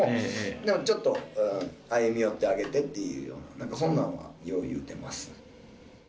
でもちょっと歩み寄ってあげてっていうようななんかそんなんはよう言うてます。